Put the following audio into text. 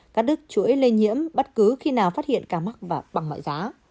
cắt đứt chuỗi lây nhiễm bất cứ khi nào phát hiện ca mắc và bằng mọi giá